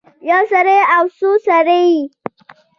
یو سړی او څو سړي